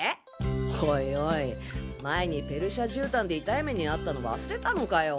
おいおい前にペルシャ絨毯で痛い目にあったの忘れたのかよ。